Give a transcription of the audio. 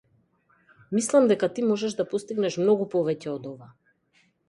Мислам дека ти можеш да постигнеш многу повеќе од ова.